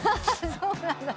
そうなんだ。